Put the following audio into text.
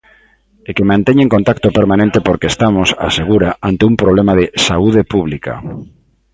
E que manteñen contacto permanente porque estamos, asegura, ante un problema de saúde pública.